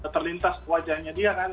terlintas wajahnya dia kan